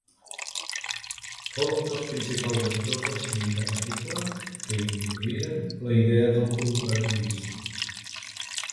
Fou un dels principals actors del sindicat agrícola que hi introduïren la idea del cooperativisme.